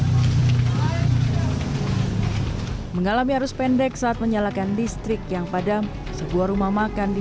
hai mengalami arus pendek saat menyalakan listrik yang padam sebuah rumah makan di